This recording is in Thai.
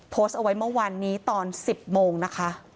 โพสต์เอาไว้เมื่อวานนี้ตอน๑๐โมงนะคะ